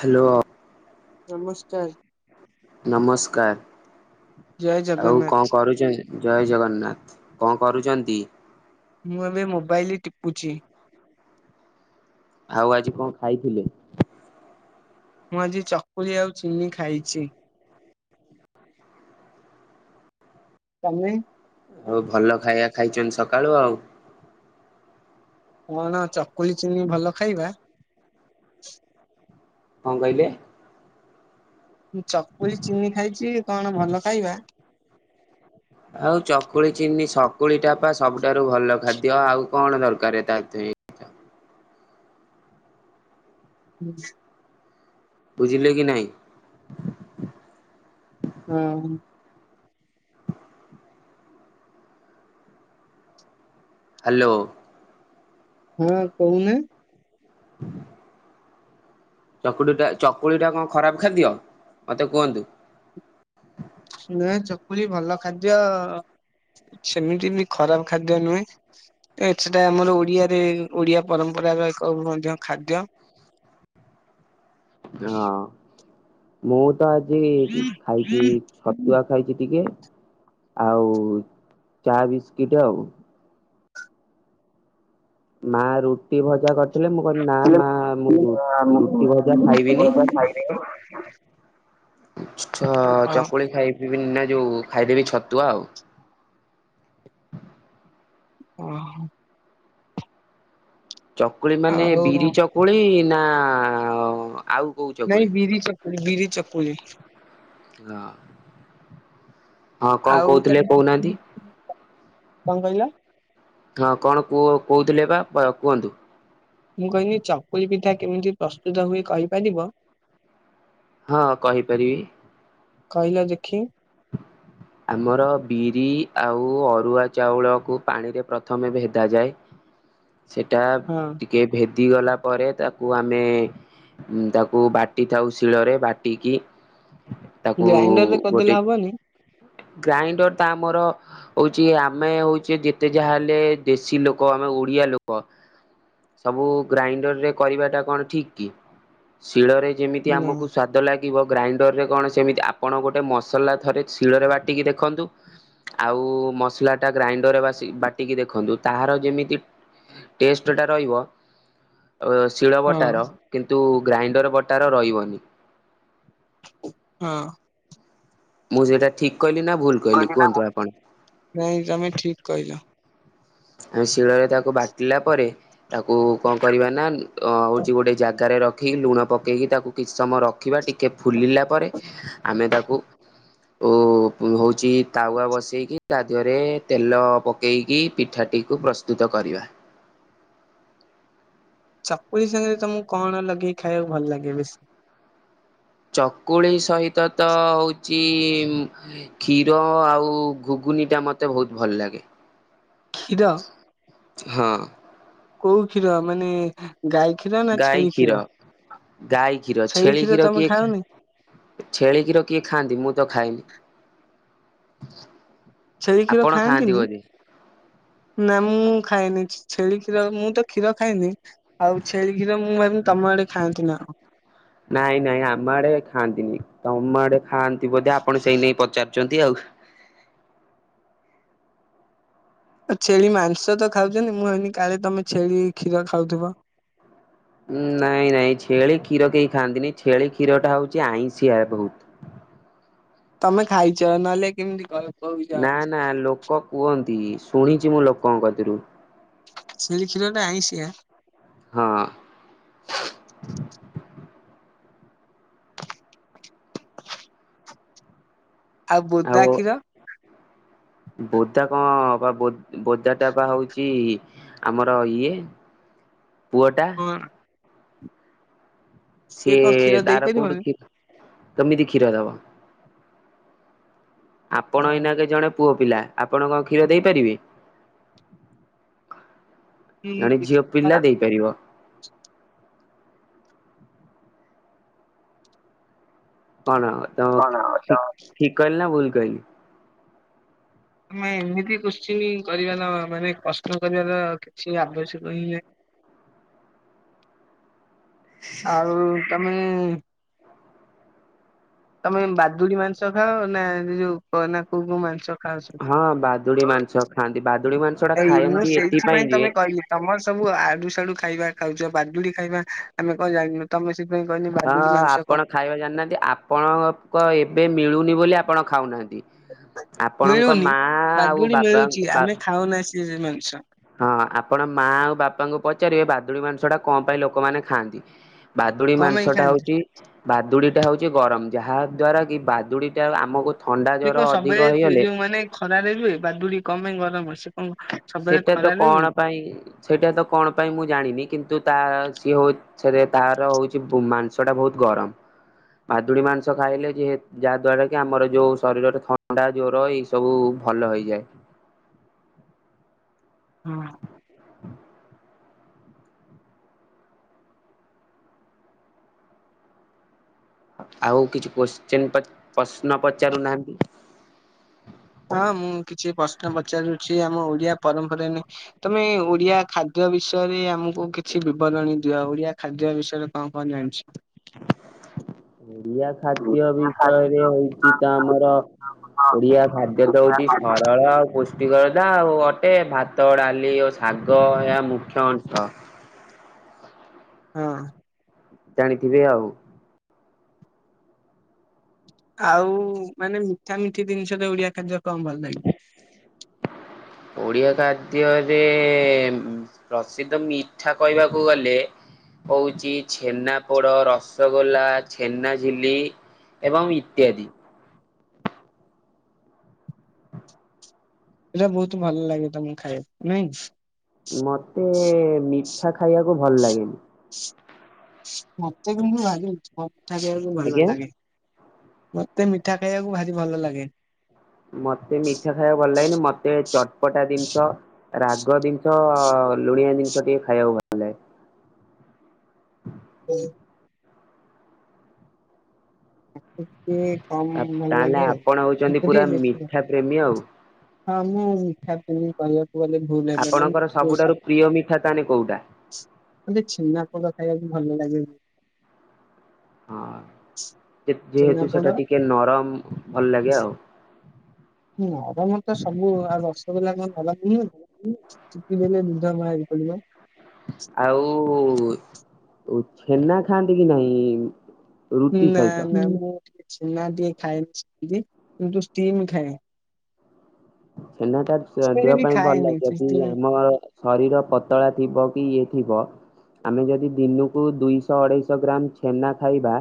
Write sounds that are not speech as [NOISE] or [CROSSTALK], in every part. Hello. ନମସ୍କାର। ନମସ୍କାର ଜୟ ଆଉ କଣ ଜଗନ୍ନାଥ। କରୁଚନ୍ତି? ଜୟେ ଜଗନ୍ନାଥ କଣ କରୁଚନ୍ତି? ମୁଁ ଏବେ ମୋବାଇଲ ଟିପୁଚି। ଆଉ ଆଜି କଣ ଖାଇଥିଲେ? ମୁଁ ଆଜି ଚକୁଳି ଆଉ ଚିନି ଖାଇଚି। ତମେ? ହୋଉ ଭଲ ଖାଇବା ଖାଇଚନ୍ତି ସକାଳୁ ଆଉ। କଣ ଚକୁଳି ଚିନି ଭଲ ଖାଇବା? କଣ କହିଲେ? ଚକୁଲି ଚିନି ଖାଇଚି କଣ ଭଲ ଖାଇବା? ଆଉ ଚକୁଳି ଚିନି ସକୁଳି ଟା ପା ସବୁଠାରୁ ଭଲ ଖାଦ୍ୟ ଆଉ କଣ ଦରକାର ତା ଦିଅର ହେଁ। ବୁଝିଲେ କି ନାଇଁ। ହଁ। ହ୍ୟାଲୋ। କଣ କହୁନା। [INAUDIBLE] ଚକୁଳି ଟା ଚକୁଳି ଟା କଣ ଖରାପ ଖାଦ୍ୟ। ମୋତେ କୁହନ୍ତୁ। ନୁହେଁ ଚକୁଳି ଭଲ ଖାଦ୍ୟ। ସେମିତି ବି ଖରାପ ଖାଦ୍ୟ ନୁହେଁ। ଏ ସେଟା ଆମର ଓଡିଆରେ ଓଡିଆ ପରମ୍ପରାର ଏକ ମଧ୍ୟ ଖାଦ୍ୟ। [INAUDIBLE] ହଁ ମୁଁ ତ ଆଜି ଖାଇଛି ଛତୁଆ। ଖାଇଛି ଟିକେ ଆଉ ଚା ବିସ୍କିଟ ଆଉ। ମା ରୁଟି ଭଜା କ। ଥିଲେ ମୁଁ କହିଲି ନା ହଁ ମା ମୁଁ ରୁଟି ଭଜା ଖାଇବିନି। ଚକୁଳି ଖାଇବି ନା ଯୋଉ ଖାଇଦେବି ଛତୁଆ ଆଉ। ଓ ହୋ। ଚକୁଳି ମାନେ ଆଉ ବିରି ଚକୁଳି ନା। ଆଉ କୋଉ ଚକୁଳି? ନାଇଁ ବିିରି ଚକୁ ବିିରି ଚକୁଳି। ହଁ କଣ ଆଉ କହୁଥିଲେ ତମେ ଚକୁଳି କହୁନାହାନ୍ତି। ପିଠା- କଣ କହିଲ। ହଁ କଣ କୁ କହୁଥିଲେ ବା କୁହନ୍ତୁ। ମୁଁ କହିଲି ଚକୁଲ ପିଠା କେମିତି ପ୍ରସ୍ତୁତ ହୁଏ କହିପାରିବ? ହଁ କହିପାରିବି। କହିଲା ଦେଖି? ଆମର ବିରି ଆଉ ଅରୁଆ ଚାଉଳକୁ ପାଣିରେ ପ୍ରଥମେ ଭେଦାଯାଏ। ସେଟା ହଁ ଟିକେ ଭେଦି ଗଲା ପରେ ତାକୁ ଆମେ ତାକୁ ବାଟି ଥାଉ ଶିଳରେ ବାଟିକି ତାକୁ ଗ୍ରାଇଣ୍ଡରରେ କରିଦେଲେ ଗୋଟେ ହବନି ହ ଗ୍ରାଇଣ୍ଡର ତ ଆମର ହଉଛି ଆମେ ହଉଛେ ଯେତେ ଯାହା ହେଲେ ଦେଶୀ ଲୋକ ଆମେ ଓଡି ଆ ଲୋକ। ସବୁ ଗ୍ରାଇଣ୍ଡର ରେ କରିବା ଟା କଣ ଠିକ କି ଶିଳରେ ଯେମିତି ନା ଆମକୁ ସ୍ଵାଦ ଲାଗିବ ଗ୍ରାଇଣ୍ଡର ରେ କଣ ସେମିତି ଆପଣ ଗୋଟେ ମସଲା ଥରେ ଶିଳରେ ବାଟିକି ଦେଖନ୍ତୁ। ଆଉ ମସଲା ଟା ଗ୍ରାଇଣ୍ଡରରେ ବାଟିକି ଦେଖନ୍ତୁ ତାହାର ଯେମିତି ଟେଷ୍ଟ ଟା ରହିବ ଶିଳ ହଁ ବଟାର କିନ୍ତୁ ଗ୍ରାଇଣ୍ଡର ବଟାରେ ରହିବନି। ହଁ। ମୁଁ ସେଇଟା ଠିକ କହିଲି ନା ଭୁଲ କହିଲି କୁହନ୍ତୁ ଆପଣ। ନାଇଁ ତମେ ଠିକ କହିଲ ଆମେ ଶିଳରେ ତାକୁ ବାଟିଲା ପରେ ତାକୁ କଣ କରିବା ନା ହଉଛି ଗୋଟେ ଜାଗାରେ ରଖିକି ଲୁଣ ପକାଏକି ତାକୁ କିଛି ସମୟ ଟିକ ଫିଲା ପରେ ଆମେ ତାକୁ ଓ ହଉଛି ତାୱା ବସେଇକି ତା ଦେହରେ ତେଲ ପକେଇକି ପିଠାଟିକୁ ପ୍ରସ୍ତୁତ କରିବା। ଚକୁଲି ସାଙ୍ଗରେ ତମକୁ କଣ ଲଗେଇି ଖାଇବାକୁ ଭଲ ଲାଗେ ବେଶୀ? ଚକୁଳି ସହିତ ତ ହଉଚ କ୍ଷୀର ଆଉ ଘୁ କୁନି ଟା ମତେ ବହୁତ ଭଲ ଲାଗେ। କ୍ଷୀର ହଁ। କୋଉ କ୍ଷୀର ମାନେ ଗାଈ କ୍ଷୀର ନା ଗାଈ ଛେଳି କ୍ଷୀର ଗାଈ କ୍ଷୀର ଛେଳି କ୍ଷୀର କିଏ ଖା ଛେଳିକ୍ଷୀର କିଏ ଖାଆନ୍ତି ମୁଁ ତ ଖାଇନି। ଛେଳି କ୍ଷୀର ଖାଆନ୍ତିନି ନା ମୁଁ ଖାଇଏନି ଛଳି କ୍ଷୀର ମୁଁ ତ କ୍ଷୀର ଖାଇନି ଆଉ ଛେରି ଖିର ମୁଁ ଏି ତମ ଆଡେ ଖାଆନ୍ତି ନା କଣ। ନାଇଁ ନାଇଁ ଆମ ଆଡେ ଖାଆନ୍ତିନି। ତମ ଆଡେ ଖାଆନ୍ତି ବୋଧ ଆପଣ ସେଇ ନେଇ ପଚାରୁଛନ୍ତି ଆଉ। ଛେଳି ମାଂସ ତ ଖାଉଛନ୍ତି ମୁଁ ଭାବିଲି କାଲେ ତମେ ଛେଳି କ୍ଷୀର ଖାଉଥିବ। ନାଇଁ ନାଇଁ ଛେଳି କ୍ଷୀର କେହି ଖାଆନ୍ତିନି ଛେଳି କ୍ଷୀର ଟା ହଉଛି ଆଇଁଷିଆ ବହୁତ। ହ ତମେ ଖାଇଛ ନହେଲେ କେମିତି କ କହୁଛ ନା ନା ଲୋକ କୁହନ୍ତି ଶୁଣିଛି ମୁଁ ଲୋକଙ୍କ କତିରୁ। ଛେଳି କ୍ଷୀର ଟା ଆଁସିଆ। ହଁ। ଆଉ ବୁଦା କ୍ଷୀର? ବୋଦା କଣ ବା ବୋଦା ଟା ବା ହଉଛି ଆମର ଇଏ ପୁଅଟା। କଣ କଣ ସିଏ କ୍ଷୀର ତାର କୋଉଠି ଦେଇପାରିବନି କ୍ଷୀର କେମିତି କ୍ଷୀର ଦବ। ଆପଣ ଏଇନାକେ ଜଣେ ପୁଅ ପିଲା ଆପଣ କଣ କ୍ଷୀର ଦେଇପାରିବେ। ଜଣେ କି ଝିଅ ପିଲା ଦେଇପାରିବ। କଣ ତ କଣ ଠି ଠିକ୍ କହିଲି ନା ଭୁଲ କହିଲି? ମ ଏମିତି କରୁଚ କରାର ମାନେ କଷ୍ଟ କରିବାର କିଛି ଆବଶ୍ୟକ ହିଁ ନାହିଁ। ହ ଆଉ ତମେ ତମେ ବାଦୁଡି ମାଂସ ଖାଅ ନା ଯୋଉ କ କ ମାଂସ ଖାଅ ସବୁ? ହଁ ବାଦୁଡି ମାଂସ ଖାଆନ୍ତି ବାଦୁ ଏଇ ମୁଁ ସେଇଥି ପାଇଁ ତ କହିଲି ତମ ସ ସବୁ ଆଡୁ ସାଡୁ ଖାଇବା ଖାଉଚ ବାଦୁଡି ଖାଇବା ଆମେ କଣ ଜାଣିନୁ ତମେ ସେଥିପାଇଁ କହିଲି ହଁ ବାଦୁଡି ମାଂସ କଣ ଆପଣ ଖାଇବା ଜାଣିନାହାନ୍ତି ଆପଣଙ୍କ ଏବେ ମିଳୁନି ବୋଲି ଆପଣ ଖାଉନାହାନ୍ତି। ଇ ଆପଣଙ୍କ ମିଳୁନି ମା ଆଉ ବାବାଵା ଇଜି ମାଂସ। ହଁ ଆପଣ ମା ଆଉ ବାପାଙ୍କୁ ପଚାରିବେ ବାଦୁଡି ମାଂସ ଟା କଣ ପାଇଁ ଲୋକମାନେ ଖାଆନ୍ତି? ବାଦୁଡ଼ି କଣ ପାଇଁ ମାଂସଟା ଖାଆନ୍ତି ହଉଚି ବାଦୁଡ଼ି ସେଇଟା ହଉଚି ଗରମ ଯାହା ଦ୍ଵାରା କି ବାଦୁଡ଼ିଟା ଆମ କୁ ସେ କଣ ସମ୍ଭୟ ଯୋଉ ମାନେ ଖରାାରେରେ ହୁଏ ବାଦୁଡି କମ ମାଇଁ ଗରମ ହୁଏ। ସେଇଟା ତ କଣ ପାଇଁ ସେଇଟା ତ କଣ ପାଇଁ ମୁଁ ଜାଣିନି କିନ୍ତୁ ତା କିଏ ଉଛ ରେ ତାର ହଉଛି ମାଂସ ଟା ବହୁତ ଗରମ। ଭାଦୁଡି ମାଂସ ଖାଇଲେ ଯେ ଯାହା ଦ୍ଵାରା କି ଆମର ଯୋଉ ଶରୀରରେ ଥଣ୍ଡା ଜ୍ଵର ଏଇ ସବୁ ଭଲ ହେଇଯାଏ। ଉଁ। [INAUDIBLE] ଆଉ କିଛି କୋଶ୍ଚିନ୍ ପ୍ରଶ୍ନ ପଚାରୁାନାହାନ୍ତି। ହଁ ମୁଁ କିଛି ପ୍ରଶ୍ନ ପଚାରୁଛି ଆମ ଓଡିଆ ପରମ୍ପରା ନେଇ ତମେ ଓଡିଆ ଖାଦ୍ୟ ବିଷୟରେ ଆମକୁ କିଛି ବିବରଣୀ ଦିଅ ଓଡିଆ ଖାଦ୍ୟ ବିଷୟରେ କଣ କଣ ଜାଣିଛ। ଓଡିଆ ଖାଦ୍ୟ ବିଷୟରେ ହଉଚି ତ ଆମର ଓଡିଆ ଖାଦ୍ୟ ତ ହଉଚି ସରଳ ଆଉ ପୋ କରଦା ଆଉ ଅଟେ ଭାତ ଡାଲି ଓ ଶାଗ ଏହା ମୁଖ୍ୟ ଅଂଶ। ହଁ। ଜାଣିଥିବେ ଆଉ। ଆଉ ମାନେ ମିଠା ମିଠି ଦିନିଷରେ ଓଡିଆ କାର୍ଯ୍ୟ କଣ ଭଲ ଲାଗେ? [INAUDIBLE] ଓଡ଼ିଆ ଖାଦ୍ୟରେ ପ୍ରସିଦ୍ଧ ମିଠା କହିବାକୁ ଗଲେ ହଉଚ ଛେନା ପୋଡ ରସଗୋଲା ଛେନାଝିଲି ଏବଂ ଇତ୍ୟାଦି। ଏଇଟା ବହୁତ ଭଲ ଲାଗେ ତମକୁ ଖାଇବା ନାଇ? ମତେ ମିଠା ଖାଇବାକୁ ଭଲ ଲାଗେନି ମତେ କିନ୍ତୁ [UNINTELLIGIBLE] ଭଲ ଆଜ୍ଞା ଲାଗେ। ମତେ ମିଠା ଖାଇବାକୁ ଭାରି ଭଲ ଲାଗେ। ମତେ ମିଠା ଖାଇବାକୁ ଭଲ ଲାଗେନି ମତେ ଚଟପଟା ଦିନିଷ ରାଗ ଦିନିଷ ଲୁଣିଆ ଜିନିଷ ଟିକେ ଖାଇବାକୁ ଭଲ ଲାଗେ। [INAUDIBLE] [UNINTELLIGIBLE] କମ୍ ଲାଗେ ଭଲ ତାହେଲେ ଲାଗେ ଆଉ ଆପଣ ହଉଛନ୍ତି ମୋତେ ପୁରା ଟିକେ ବେଶୀ ଭ ମିଠା ପ୍ରେମୀ ଆଉ ହଁ ମୁଁ ମିଠା ବି ଭଲ ଗଲେ ଭୂଲୁ ହେବ ଆପଣଙ୍କର ସବୁଠାରୁ ପ୍ରିୟ ମିଠା ତାହେଲେ କୋଉଟା ନାଇଁ ଛେନା ପୋଡ଼ ଖାଇବାକୁ ଭଲ ଲାଗେ। ହଁ ଯେ ଯେହେତୁ ଛେନାପୋଡ ସେଟା ଟିକେ ନରମ। ଭଲ ଲାଗେ ଆଉ ନରମ। ତ ସବୁ ଆଉ ରସଗୋଲା କଣ ନରମ ନୁହଁ। ଚିପି ଦେଲେ ଦୁଧ ବାହାରି ପଡ଼ିବ। ଆଉ ଛେନା ଖାଆନ୍ତି କି ନାହିଁ? ରୁଟି ନା ସହିତ। ନା ମୁଁ ଟିକେ ଛେନା ଟିଏ ଖାଏନି। ସେମିତି କିନ୍ତୁ ଷ୍ଟିମ୍ ଖାଏ। ଛେନାଟା ସ ସେମିତି ଦେହ ବି ପାଇଁ ଭଲ ଖାଏନି ଯଦି କିନ୍ତୁ ଆମ ଶରୀର ପତଳା ଥିବ କି ଇଏ ଥିବ। ଆମେ ଯଦି ଦିନୁକୁ ଦୁଇଶହ ଅଢେଇଶହ ଗ୍ରାମ ଛେନା ଖାଇବା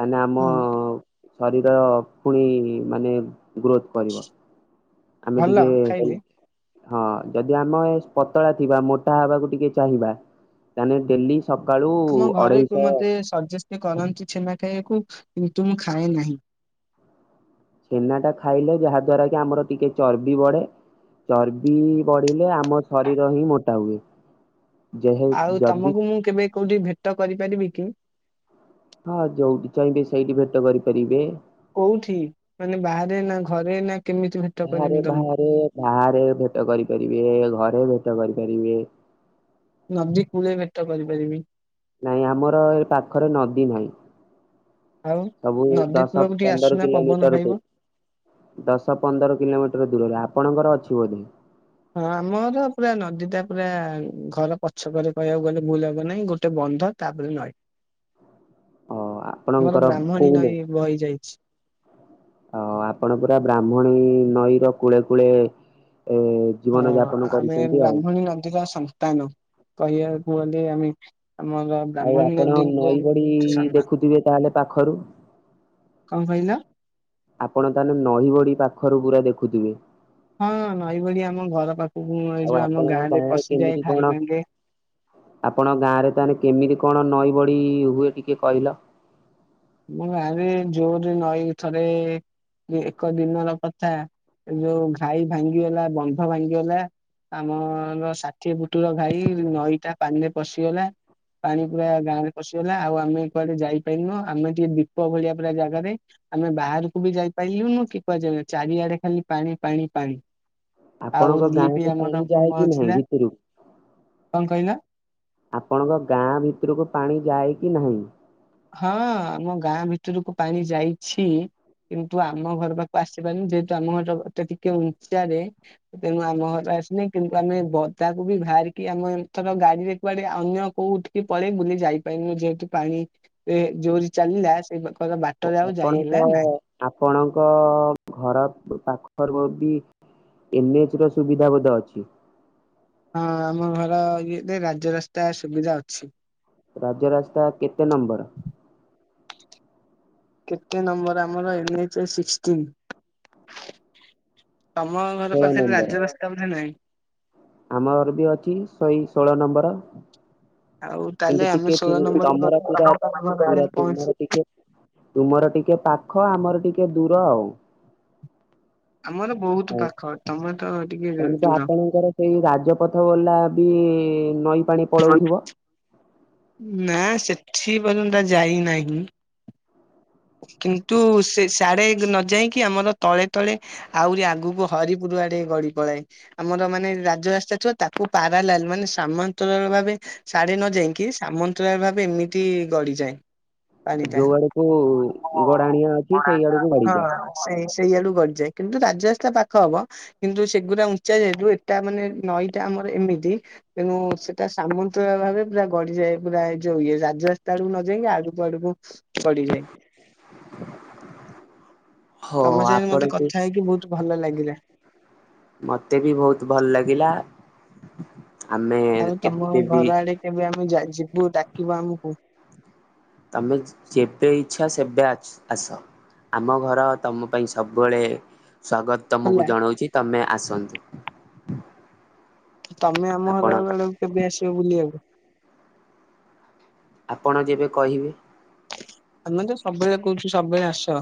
ତାନେ ଆମ ହୁଁ ଶରୀର ପୁଣି ମାନେ ଗ୍ରୋଥ କରିବ। ଆମେ ଭଲ ଟିକେ ହେଲେ ଖାଇଲେ ହଁ ଯଦି ଆମେ ପତଳା ଥିବା ମୋଟା ହବାକୁ ଟିକେ ଚାହିଁବା ତାଲେ ଡେଲି ସକାଳୁ ଆମ ଘରେ ବି ଅଢେଇଶହ ମତେ ସଜେଷ୍ଟ କରନ୍ତି ଛେନା ଖାଇବାକୁ। କିନ୍ତୁ ମୁଁ ଖାଏ ନାହିଁ। ଛେନା ଟା ଖାଇଲେ ଯାହା ଦ୍ଵାରା କି ଆମର ଟିକେ ଚର୍ବି ବଢେ। ଚର୍ବି ବଢିଲେ ଆମ ଶରୀର ହିଁ ମୋଟା ହୁଏ। ଯେହେ ଯଦି କୋଉଠିକି ଭେଟ କରିପାରିବି କି? ହଁ ଯୋଉଠି ଚାହିଁବେ ସେଇଠି ଭେଟ କରିପାରିବେ। କୋଉଠି ମାନେ ବାହାରେ ନା ଘରେ ନା କେମିତି ଭେଟ ବାହାରେ କରିବି ତମକୁ ବାହାରେ ବାହାରେ ଭେଟ କରିପାରିବେ। ଘରେ ଭେଟ ଟ କରି ପାରିବେ। ନଦୀ କୂଳେ ଭେଟ କରିପରିବେ। ନାଇଁ ଆମର ଏ ପାଖରେ ନଦୀ ନାହିଁ। ଆଉ ସବୁ ନଦୀ ଦଶ କୂଳକୁ ଟିକେ ପନ୍ଦର ଆସୁନା ପବନ କିଲୋମିଟର ଦୁ ଖାଇବ ଦଶ ପନ୍ଦର କିଲୋମିଟର ଦୂରରେ ଆପଣଙ୍କର ଅଛି ବୋଧେ? ହଁ ଆମର ପୁରା ନଦୀ ଟା ପୁରା ଘର ପଛକରେ କହିବାକୁ ଗଲେ ଭୁଲ ହବ ନାହିଁ ଗୋଟେ ବଟ ବନ୍ଧ ତାପରେ ନଇ। [INAUDIBLE] ଓ ଆମର ଆପଣଙ୍କର ବ୍ରାହ୍ମଣୀ କୋ ନଈ ବହି ଯାଇଛି। ହ ଆପଣ ପୁରା ବ୍ରାହ୍ମଣୀ ନଈ ର କୂଳେ କୂଳେ ଏ ଜୀବନ ହଁ ଯାପନ ଆମେ କରୁଛନ୍ତି ଆଉ। ବାହ୍ମଣୀ ନଦୀର ସନ୍ତାନ କହିବାକୁ ଗଲେ ଆମେ ଆମର ଆଉ ବ୍ରାହ୍ମଣୀ ଆପଣ ନଦୀଙ୍କୁ ନଈ ବଡି ସମ୍ମାନ ଦେଖୁଥିବେ ତାହେଲେ ପାଖରୁ। କଣ କହିଲ? ଆପଣ ତାନେ ନହି ବ଼ଢି ପାଖରୁ ପୁରା ଦେଖୁଥିବେ। ହଁ ନଈବଳି ଆମ ଘର ପାଖକୁ ଏ ଆଉ ଯୋଉ ଆମ ଆପଣଙ୍କ ଗାଁ ରେ ଗାଁରେ କେମିତି ପଶିଯାଏ କଣ ଘାଇ ଭାଙ୍ଗେ। ଆପଣଙ୍କ ଗାଁ ରେ ତାହେଲେ କେମିତି କଣ ନଈ ବଡି ହୁଏ ଟିକେ କହିଲ? ମୁଁ ଗାଁରେ ଜୋରେ ନଈକୁ ଥରେ ଏକ ଦିନର କଥା ଯୋଉ ଘାଇ ଭାଙ୍ଗିଗଲା ବନ୍ଧ ଭାଙ୍ଗିଗଲା ଆମର ଷାଠିଏ ପୁଟୁର ଭାଇ ନଈଟା ପାଣିରେ ପଶିଗଲା। ପାଣି ପୁରା ଗାଁ ରେ ପଶିଗଲା ଆଉ ଆମେ କୁଆଡେ ଯାଇପାରିନୁ ଆମେ ଟିକଏ ଦୀପ ଭଳିଆ ପୁରା ଜାଗାରେ ଆମେ ବାହାରକୁ ବି ଯାଇପାରିଲୁନୁ କି କୁହାଯା ଚାରିଆଡେ ଖାଲି ପାଣି ପାଣି ପାଣି। ଆଉ ଆପଣଙ୍କ ଗାଁ ରିଲିଫ କ ପାଣି ଆମର ଯାଏ କି ନାହିଁ ପହଞ୍ଚିଲା ଭିତରକୁ? କଣ କହିଲ? ଆପଣଙ୍କ ଗାଁ ଭିତରକୁ ପାଣି ଯାଏ କି ନାହିଁ? ହଁ ଆମ ଗାଁ ଭିତରକୁ ପାଣି ଯାଇଛି। କିନ୍ତୁ ଆମ ଘର ପାଖକୁ ଆସିପାରୁନି ଯେହେତୁ ଆମ ଘରଟା ଟିକେ ଉନ୍ଚାରେ ତେଣୁ ଆମ ଘର ପା କୁ ଆସିନାହିଁ କିନ୍ତୁ ଆମେ ବଧାକୁ ବି ବାହାରିକି ଆମେ ଥର ଗାଡିରେ କୁଆଡେ ଅନ୍ୟ କୋଉ ଉଠିକି ପରେ ବୁଲ ଯାଇପାରନୁ। ଯେହେତୁ ପାଣି ଏ ଜୋରିରେ ଚାଲିଲା ସେର ବା ଓ ଆପଣଙ୍କ ଆପଣଙ୍କ ଘର ପାଖରୁ ବି ଏନ ଏଚ ର ସୁବିଧା ବୋଧେ ଅଛି। ହଁ ଆମ ଘର ଇଏ ରାଜରାସ୍ତା ସୁବିଧା ଅଛି। ରାଜରାସ୍ତା କେତେ ନମ୍ବର? କେତେ ନମ୍ବର ଆମର ଏନ୍ ଏଚ ସିକ୍ଷ୍ଟିନ। ତମ ଘର ଷୋହଳ ପାଖରେ ନମ୍ବର। ରାଜରାସ୍ତା ବୋଧେ ନାହିଁ। ଆମର ବି ଅଛି ଶହେ ଷୋହଳ ନମ୍ବର। ଆଉ ତାହେଲେ କିନ୍ତୁ ଆମେ ଟିକେ ଟି ଷୋହଳ ନମ୍ବର ଗଲେ ତମର ପୁରା ତମ ଘର ପାଖରେ ପୁରା ପହଞ୍ଚି ତୁମର ଟିକେ ତୁମର ଟିକେ ପାଖ, ଆମର ଟିକେ ଦୂର ଆଉ। ଆମର ବହୁତ ହଉ ପାଖ ତମେ ତ ଟିକେ ତାହେଲେ ତ ଦୂର ଆପଣଙ୍କର ସେଇ ରାଜପଥ ବଲା ବି ନଈ ପାଣି ପଳଉଥିବ? ନା ସେଠି ପର୍ଯ୍ୟନ୍ତ ଯାଇନାହିଁ। କିନ୍ତୁ ସେ ସ୍ୟାଡେ ନ ଯାଇକି ଆମର ତଳେ ତଳେ ଆହୁରି ଆଗକୁ ହରିପୂର୍ କୁଆଡେ ଗଡି ପଳଏ ଆମର ମାନେ ରାଜରାସ୍ତା ଥିବ ତାକୁ ପାରାଲାଲ ମାନେ ସାମାନ୍ତରା ଭାବେ ସାଢେ ନ ଯାଇକି ସାମନ୍ତରା ଭାବେ ଏମିତି ଗଡିଯାଏ। ପାଣିଟା। ଯୋଉ ଆଡକୁ ଗଡାଣିଆ ଅଛି ସେଇ ଆଡକୁ ବାଡିଯାଏ। ଡିଯାଏ କିନ୍ତୁ ରାଜରାସ୍ତା ପାଖ ହବ। କିନ୍ତୁ ସେଗୁା ଉଚା ଯେହତୁ ଏଟା ମାନେ ନଈଟା ଆମର ଏମି ତି ତେଣୁ ସେଟା ସାମନ୍ତ ଭାରେ ପୁରା ଗଡିଯାଏ ପୁରା ଯୋଉ ଇଏ ରାଜରାସ୍ତା ଆ ନ ଯାଇକି ଆ ଆଡୁ ଆଡକୁ ଗଡିଯାଏ। ହୋ ତମ ସହିତ ମତେ ଆପଣଙ୍କୁ କଥା ହେଇକି ବୋହୁତ ଭଲ ଲାଗିଲା। ମତେ ବି ବୋହୁତ ଭଲ ଲାଗିଲା। ଆମେ ଆଉ ତମ କେବେ ବି ଘର ଆଡେ କେବେ ଆମେ ଯିବୁ ଡାକିବୁ ଆମକୁ? ତମେ ଯେ-ଯେବେ ଇଚ୍ଛା ସେବେ ଆଚ୍ ଆସ। ଆମ ଘର ତମ ପାଇଁ ସବୁବେଳେ ସ୍ଵାଗତ ତମକୁ ହେଲା। ଜନୌଚି ତମେ ଆସନ୍ତୁ। ତମେ ଆମ ଆପଣ ଘର ବେଳକୁ କେବେ ଆସିବ ବୁଲିବାକୁ? ଆପଣ ଯେବେ କହିବେ। ଆମେ ତ ସବୁବେଳେ କୋହୁଚୁ ସବୁବେଳେ ଆସ।